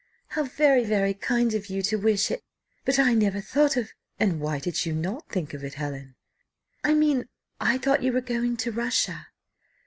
how very, very kind of you to wish it but I never thought of " "And why did you not think of it, Helen?'" "I mean I thought you were going to Russia."